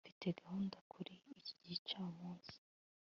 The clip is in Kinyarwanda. mfite gahunda kuri iki gicamunsi